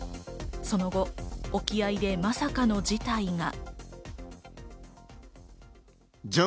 その後、沖合でまさかの事態が。